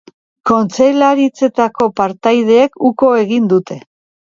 Kontseilaritzetako partaideek uko egin dute.